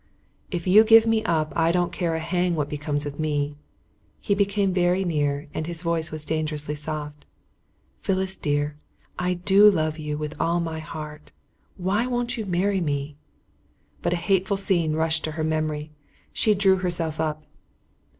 "If you give me up I don't care a hang what becomes of me." He came very near and his voice was dangerously soft. "Phyllis dear, I do love you with all my heart. Why won't you marry me?" But a hateful scene rushed to her memory. She drew herself up.